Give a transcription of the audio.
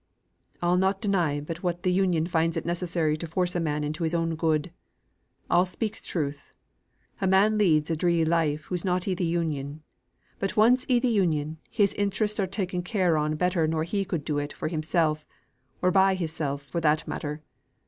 "I'll not deny but what th' Union finds it necessary to force a man into his own good. I'll speak truth. A man leads a dree life who's not i' th' Union. But once i' th' Union, his interests are taken care on better nor he could do it for himsel', or by himsel', for that matter.